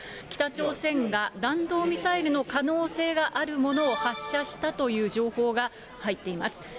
北朝鮮が弾道ミサイルの可能性があるものを発射したという情報が入っています。